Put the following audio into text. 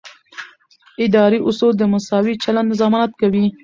اداري اصول د مساوي چلند ضمانت کوي.